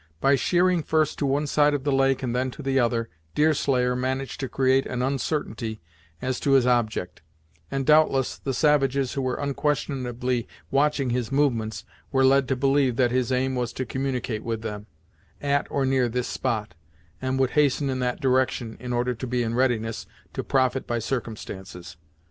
By sheering first to one side of the lake, and then to the other, Deerslayer managed to create an uncertainty as to his object; and, doubtless, the savages, who were unquestionably watching his movements, were led to believe that his aim was to communicate with them, at or near this spot, and would hasten in that direction, in order to be in readiness to profit by circumstances.